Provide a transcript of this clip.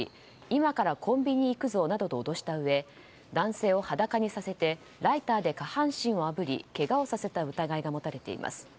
今からコンビニ行くぞなどと脅したうえ男性を裸にさせてライターで下半身をあぶりけがをさせた疑いが持たれています。